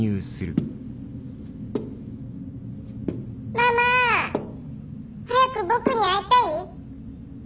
「ママ早く僕に会いたい？」。